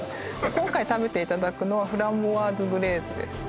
今回食べていただくのはフランボワーズグレーズです